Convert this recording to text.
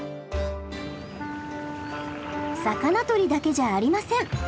魚取りだけじゃありません。